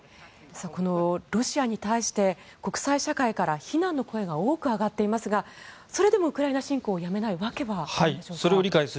このロシアに対して国際社会から非難の声が多く上がっていますがそれでもウクライナ侵攻をやめない訳はあるんでしょうか。